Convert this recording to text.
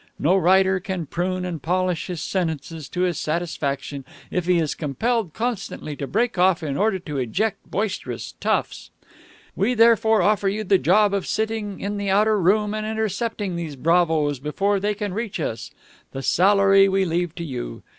No writer can prune and polish his sentences to his satisfaction if he is compelled constantly to break off in order to eject boisterous toughs. We therefore offer you the job of sitting in the outer room and intercepting these bravoes before they can reach us. The salary we leave to you.